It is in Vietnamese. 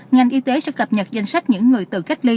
ngành y tế sẽ cập nhật danh sách những người tự cách ly